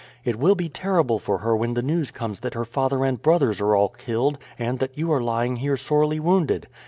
It will be terrible for her when the news comes that her father and brothers are all killed, and that you are lying here sorely wounded.